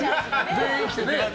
全員来て。